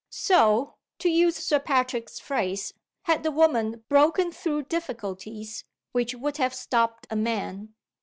So (to use Sir Patrick's phrase) had the woman broken through difficulties which would have stopped a man.